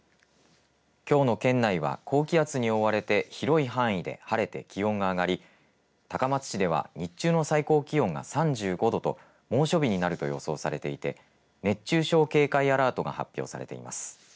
きょうの県内は高気圧に覆われて広い範囲で晴れて気温が上がり高松市では日中の最高気温が３５度と猛暑日になると予想されていて熱中症警戒アラートが発表されています。